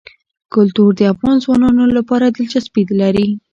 کلتور د افغان ځوانانو لپاره دلچسپي لري.